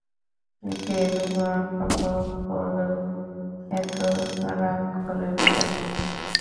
গেরুয়া কাপড় পরেও এত রাগ করেন কেন?